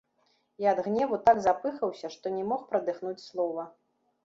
І ад гневу так запыхаўся, што не мог прадыхнуць слова.